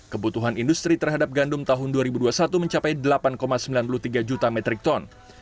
kebutuhan industri terhadap gandum tahun dua ribu dua puluh satu mencapai delapan sembilan puluh tiga juta metrik ton